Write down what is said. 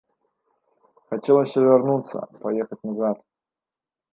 Хацелася вярнуцца, паехаць назад.